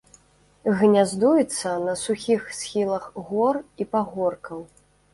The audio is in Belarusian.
Гняздуецца на сухіх схілах гор і пагоркаў.